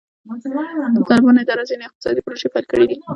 د طالبانو اداره ځینې اقتصادي پروژې پیل کړې دي.